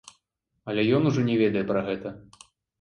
Але ён ужо не ведае пра гэта.